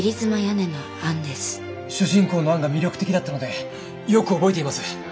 主人公のアンが魅力的だったのでよく覚えています。